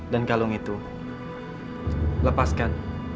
dan kalung itu lepaskan